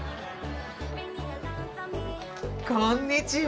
こんにちは。